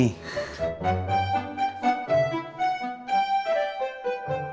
eh bangun loh